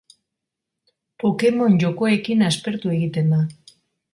Pokemon jokoekin aspertu egiten da.